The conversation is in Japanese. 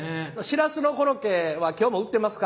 シラスのコロッケは今日も売ってますか？